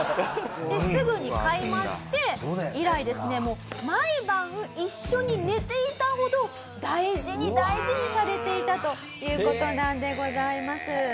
すぐに買いまして以来ですねもう毎晩一緒に寝ていたほど大事に大事にされていたという事なんでございます。